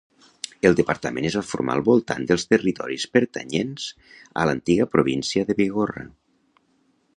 El departament es va formar al voltant dels territoris pertanyents a l'antiga província de Bigorra.